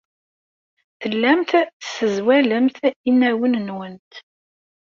Tellamt tessezwalemt inawen-nwent.